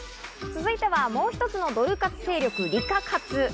続いてはもう一つのドル活勢力、リカ活。